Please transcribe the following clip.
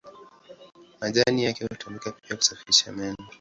Majani yake hutumika pia kusafisha meno.